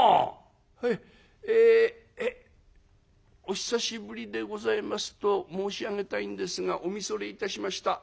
「へいええっお久しぶりでございますと申し上げたいんですがお見それいたしました。